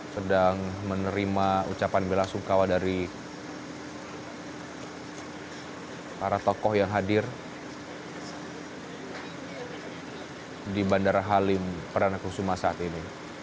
sedang menerima ucapan bela sungkawa dari para tokoh yang hadir di bandara halim perdana kusuma saat ini